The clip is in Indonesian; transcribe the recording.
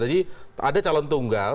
tadi ada calon tunggal